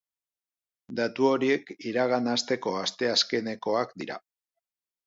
Datu horiek iragan asteko asteazkenekoak dira.